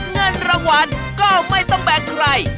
เงินรางวัลก็ไม่ต้องแบกใคร